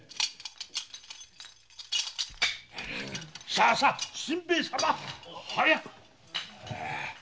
ささ新兵衛様早く！